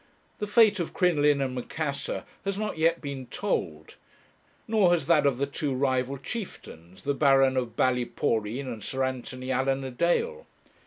The fate of 'Crinoline and Macassar' has not yet been told; nor has that of the two rival chieftains, the 'Baron of Ballyporeen and Sir Anthony Allan a dale.'